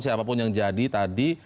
siapapun yang jadi tadi